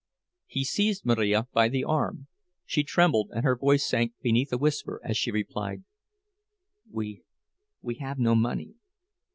He seized Marija by the arm; she trembled, and her voice sank beneath a whisper as she replied, "We—we have no money."